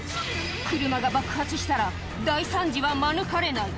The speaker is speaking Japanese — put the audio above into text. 車が爆発したら、大惨事は免れない。